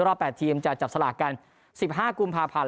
รอบแปดทีมจะจับสลากกันสิบห้ากุมภาพันธ์